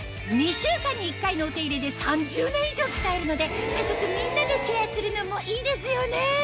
週間に１回のお手入れで３０年以上使えるので家族みんなでシェアするのもいいですよね